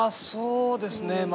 そうですね。